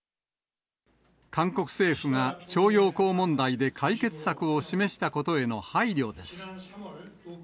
韓国政府が徴用工問題で解決策を示したことへの配慮です。